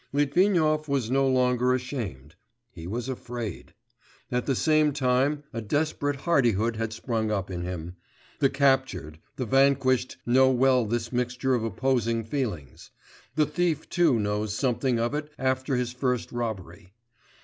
Litvinov was no longer ashamed, he was afraid; at the same time a desperate hardihood had sprung up in him; the captured, the vanquished know well this mixture of opposing feelings; the thief too knows something of it after his first robbery.